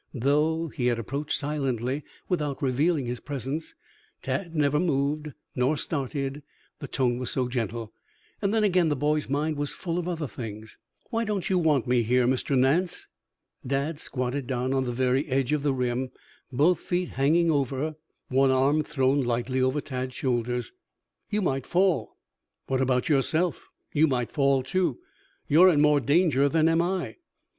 Though he had approached silently, without revealing his presence, Tad never moved nor started, the tone was so gentle, and then again the boy's mind was full of other things. "Why don't you want me here, Mr. Nance?" Dad squatted down on the very edge of the rim, both feet banging over, one arm thrown lightly over Tad's shoulders. "You might fall." "What about yourself? You might fall, too. You are in more danger than am I."